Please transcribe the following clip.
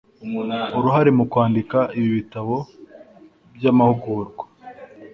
uruhare mu kwandika ibi bitabo by'amahugurwa